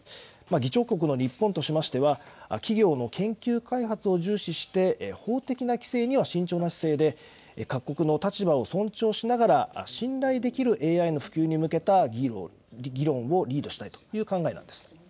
議長国の日本としましては企業の研究開発を重視して法的な規制には慎重な姿勢で各国の立場を尊重しながら信頼できるＡＩの普及に向けた議論をリードしたいという考えなんです。